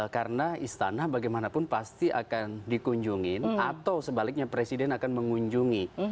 karena istana bagaimanapun pasti akan dikunjungin atau sebaliknya presiden akan mengunjungi